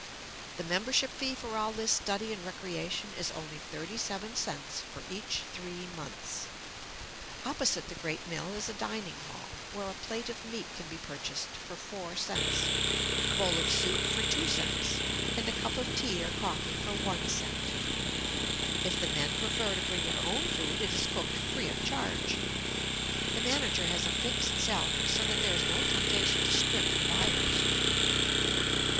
The membership fee for all this study and recreation is only thirty seven cents for each three months. Opposite the great mill is a dining hall, where a plate of meat can be purchased for four cents, a bowl of soup for two cents, and a cup of tea or coffee for one cent. If the men prefer to bring their own food, it is cooked free of charge. The manager has a fixed salary, so that there is no temptation to scrimp the buyers.